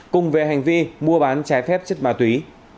cùng về hành vi mua bán trái phép chất ma túy